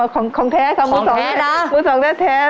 ของแท้ครับมือ๒แท้